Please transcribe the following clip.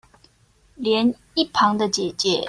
連一旁的姊姊